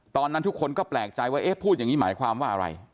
ตอนนั้นทุกคนก็แปลกใจว่าเอ๊ะพูดอย่างนี้หมายความว่าอะไร